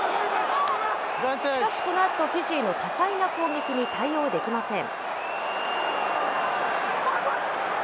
しかしこのあと、フィジーの多彩な攻撃に対応できません。